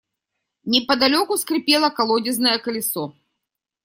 Неподалеку скрипело колодезное колесо.